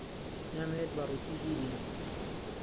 نامەوێت بە ڕووتی بیبینم.